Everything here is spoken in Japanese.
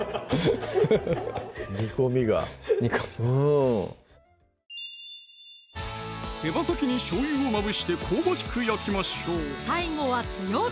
煮込みが煮込みが手羽先にしょうゆをまぶして香ばしく焼きましょう最後は強火！